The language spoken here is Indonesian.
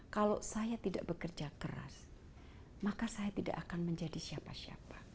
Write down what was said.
kalau saya tidak bekerja keras maka saya tidak akan menjadi siapa siapa